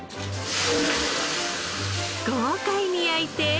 豪快に焼いて。